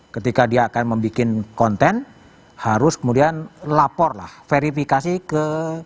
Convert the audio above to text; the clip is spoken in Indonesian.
ketika dia akan membuat content harus kemudian lapor lah verifikasi ke